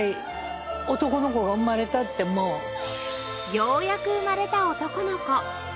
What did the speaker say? ようやく生まれた男の子